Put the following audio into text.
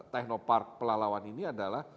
technopark pelalawan ini adalah